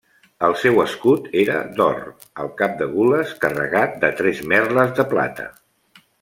El seu escut era d'or, al cap de gules, carregat de tres merles de plata.